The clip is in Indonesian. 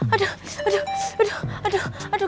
aduh aduh aduh